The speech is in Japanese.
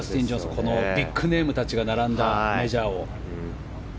このビッグネームたちが並んだメジャーを。